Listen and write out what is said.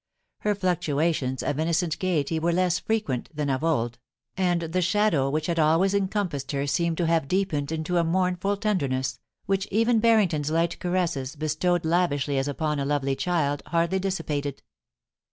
Her fluctuations of innocent gaiety were less frequent than of old, and the shadow which had always encompassed her BARRINGTON AND HONORIA. 169 seemed to have deepened into a mournful tenderness, which even Harrington's light caresses, bestowed lavishly as upon a lovely child, hardly dissipated.